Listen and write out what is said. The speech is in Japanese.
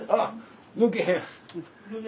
抜けへん。